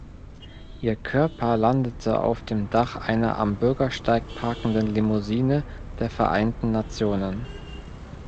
Ihr Körper landete auf dem Dach einer am Bürgersteig parkenden Limousine der Vereinten Nationen.